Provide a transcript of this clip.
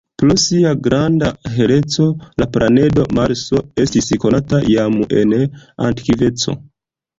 Pro sia granda heleco la planedo Marso estis konata jam en antikveco.